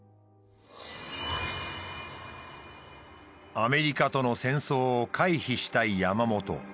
アメリカとの戦争を回避したい山本。